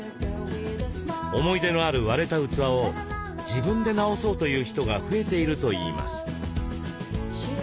思い出のある割れた器を自分で直そうという人が増えているといいます。